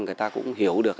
người ta cũng hiểu được